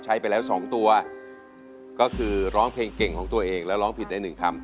ใช้ไปแล้วสองตัวก็คือร้องเพลงเก่งของตัวเองแล้วร้องผิดได้หนึ่งคำ